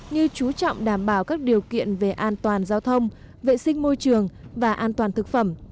như chú trọng đảm bảo các điều kiện về an toàn giao thông vệ sinh môi trường và an toàn thực phẩm